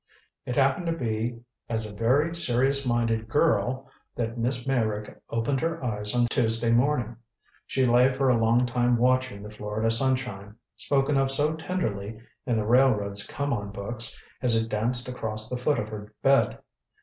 It happened to be as a very serious minded girl that Miss Meyrick opened her eyes on Tuesday morning. She lay for a long time watching the Florida sunshine, spoken of so tenderly in the railroad's come on books, as it danced across the foot of her bed.